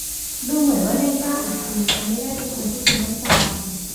ดูเหมือนว่านายจ้างของคุณจะไม่ได้เป็นคนที่คุณต้องการ